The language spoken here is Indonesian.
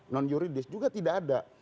non yuridis juga tidak ada